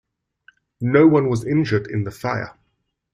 No one was injured in the fire.